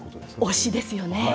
推しですよね。